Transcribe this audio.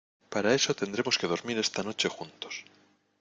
para eso tendremos que dormir esta noche juntos.